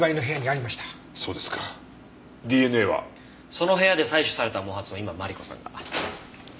その部屋で採取された毛髪を今マリコさんが。